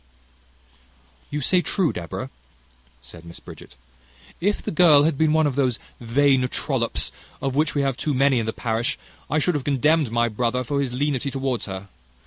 "You say true, Deborah," said Miss Bridget. "If the girl had been one of those vain trollops, of which we have too many in the parish, I should have condemned my brother for his lenity towards her.